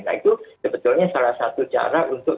nah itu sebetulnya salah satu cara untuk